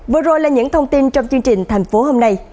vừa rồi là những thông tin trong chương trình thành phố hôm nay